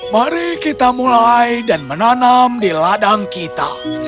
mari kita mulai dan menanam di ladang kita